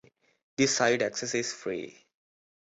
The site access is free.